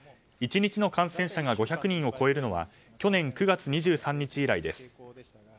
１日の感染者が５００人を超えるのは去年９月２３日以来です。